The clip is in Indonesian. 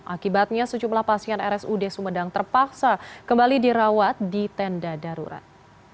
akibatnya sejumlah pasien rsud sumedang terpaksa kembali dirawat di tenda darurat